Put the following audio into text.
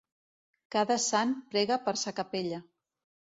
Cada sant prega per sa capella.